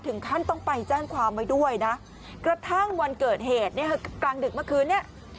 ถึงขั้นต้องไปแจ้งความไว้ด้วยนะกระทั่งวันเกิดเหตุเนี่ยกลางดึกเมื่อคืนนี้